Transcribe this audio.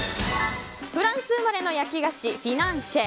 フランス生まれの焼き菓子フィナンシェ。